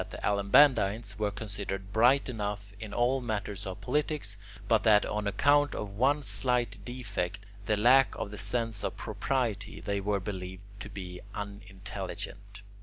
the Alabandines were considered bright enough in all matters of politics, but that on account of one slight defect, the lack of the sense of propriety, they were believed to be unintelligent.